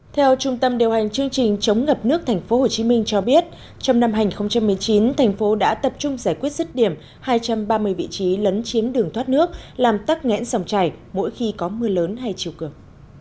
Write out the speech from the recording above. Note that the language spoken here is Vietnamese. theo trung tâm điều hành chương trình chống ngập nước tp hcm cho biết trong năm hai nghìn một mươi chín thành phố đã tập trung giải quyết rứt điểm hai trăm ba mươi vị trí lấn chiếm đường thoát nước làm tắc nghẽn sòng chảy mỗi khi có mưa lớn hay chiều cường